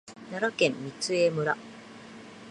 奈良県御杖村